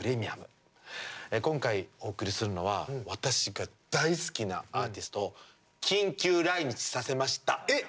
今回お送りするのは私が大好きなアーティストを緊急来日させましたっ！